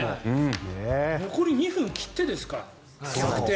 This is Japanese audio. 残り２分切ってですから逆転。